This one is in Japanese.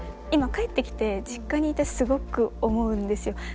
今帰ってきて実家にいてすごく思うんですよ。